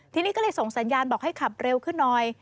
ทีนี้ก็เลยส่งสัญญาณบอกให้ขับเร็วขึ้นหน่อย